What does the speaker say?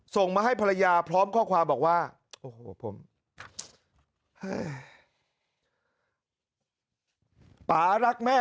ส่งมาให้ภรรยาพร้อมข้อความบอกว่าโอ้โหผม